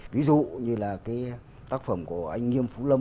ví dụ như là cái tác phẩm của anh nghiêm phú lâm